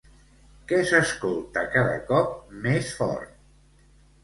Què s'escolta cada cop més fort?